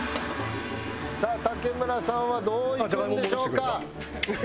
さあ竹村さんはどういくんでしょうか？